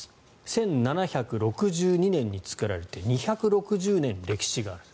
１７６２年に作られて２６０年歴史がある。